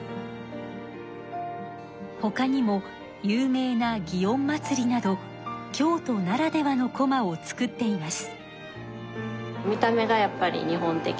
ほかにも有名な園祭など京都ならではのこまを作っています。